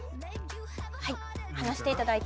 はい離していただいて。